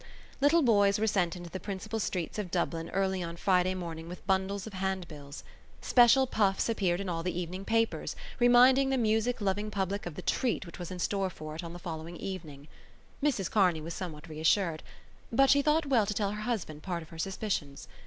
Little boys were sent out into the principal streets of Dublin early on Friday morning with bundles of handbills. Special puffs appeared in all the evening papers, reminding the music loving public of the treat which was in store for it on the following evening. Mrs Kearney was somewhat reassured, but she thought well to tell her husband part of her suspicions.